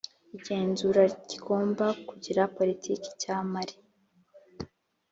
igenzura kigomba kugira politiki icyamare